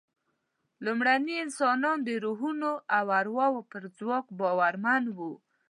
لومړني انسانان د روحونو او ارواوو پر ځواک باورمن وو.